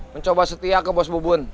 mencoba setia ke bos bobon